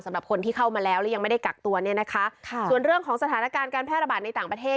สำหรับคนที่เข้ามาแล้วแล้วยังไม่ได้กักตัวเนี่ยนะคะค่ะส่วนเรื่องของสถานการณ์การแพร่ระบาดในต่างประเทศ